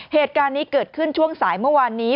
เหตุการณ์นี้เกิดขึ้นช่วงสายเมื่อวานนี้